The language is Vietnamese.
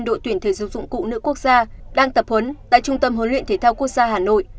đội tuyển thể dục dụng cụ nữ quốc gia đang tập huấn tại trung tâm huấn luyện thể thao quốc gia hà nội